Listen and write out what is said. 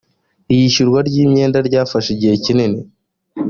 iyishyurwa ry’ imyenda ryafashe igihe kinini.